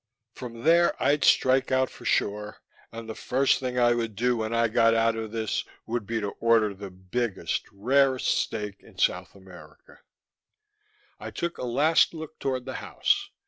From there I'd strike out for shore. And the first thing I would do when I got out of this would be to order the biggest, rarest steak in South America. I took a last look toward the house.